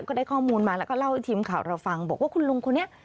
ก็ได้ข้อมูลมาแล้วก็เล่าให้ทีมข่าวเราฟังบอกว่าคุณลุงคนนี้